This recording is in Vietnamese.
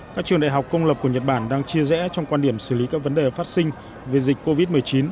các trường đại học công lập của nhật bản đang chia rẽ trong quan điểm xử lý các vấn đề phát sinh về dịch covid một mươi chín